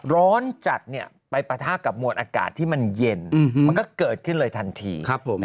ร้อนจัดไปปะทะกับมวลอากาศที่มันเย็นมันก็เกิดขึ้นเลยทันที